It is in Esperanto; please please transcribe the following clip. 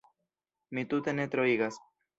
Mi tute ne troigas.